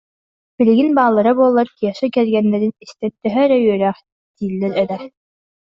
Билигин, бааллара буоллар, Кеша кэргэннэнэрин истэн төһө эрэ үөрээхтииллэр этэ